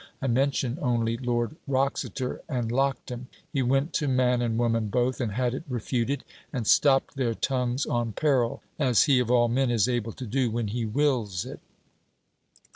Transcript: I mention only Lord Wroxeter and Lockton. He went to man and woman both, and had it refuted, and stopped their tongues, on peril; as he of all men is able to do when he wills it.'